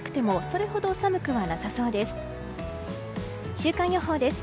週間予報です。